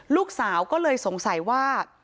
ลูกสาวก็เลยสงสัยว่า